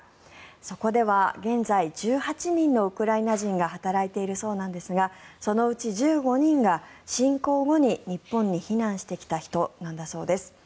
そこでは現在１８人のウクライナ人が働いているそうですがそのうち１５人が侵攻後に日本に避難してきた人なんだそうです。